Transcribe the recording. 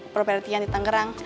propriety yang ditenggerang